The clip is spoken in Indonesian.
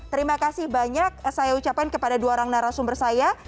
terima kasih banyak saya ucapkan kepada dua orang narasumber saya